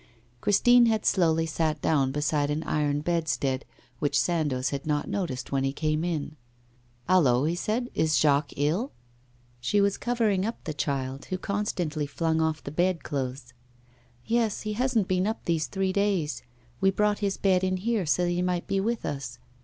Christine had slowly sat down beside an iron bedstead, which Sandoz had not noticed when he came in. 'Hallo,' he said, 'is Jacques ill?' She was covering up the child, who constantly flung off the bedclothes. 'Yes, he hasn't been up these three days. We brought his bed in here so that he might be with us.